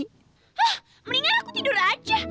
hah mendingan aku tidur aja